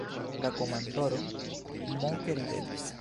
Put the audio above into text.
La komandoro moke ridetis.